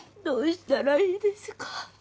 どうしたらいいですか？